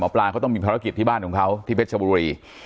ปลาเขาต้องมีภารกิจที่บ้านของเขาที่เพชรชบุรี